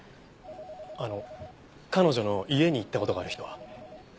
あの彼女の家に行った事がある人は？